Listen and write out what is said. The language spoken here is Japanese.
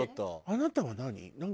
あなたは何？